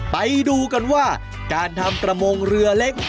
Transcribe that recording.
ไปดูกันว่าการทำประมงเรือเล็ก